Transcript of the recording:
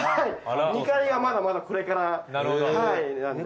２階がまだまだこれからなんですね。